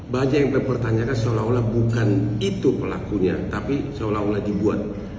banyak yang mempertanyakan seolah olah bukan itu pelakunya tapi seolah olah dibuat